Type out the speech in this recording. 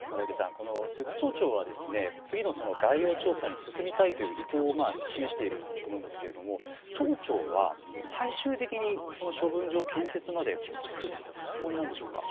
この寿都町長は次の概要調査に進みたいという意向を示していると思うんですけれども町長は最終的に処分場建設まで進むつもりなんでしょうか。